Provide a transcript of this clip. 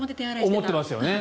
思ってますよね。